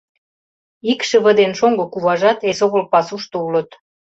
Икшыве ден шоҥго куважат эсогыл пасушто улыт.